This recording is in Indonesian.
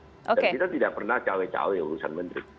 dan kita tidak pernah cawe cawe urusan menteri